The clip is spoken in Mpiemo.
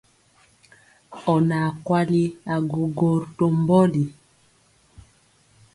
Ɔ naa kwali agwogwo to mbɔli.